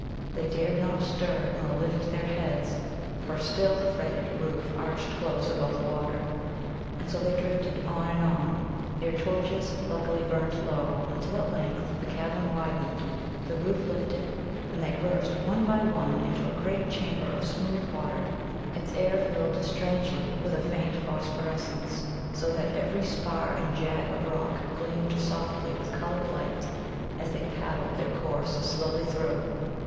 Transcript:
They dared not stir nor lift their heads, for still the fretted roof arched close above the water. And so they drifted on and on, their torches luckily burnt low, until at length the cavern widened, the roof lifted, and they burst one by one into a great chamber of smooth water, its air filled strangely with a faint phosphorescence, so that every spar and jag of rock gleamed softly with coloured light as they paddled their course slowly through.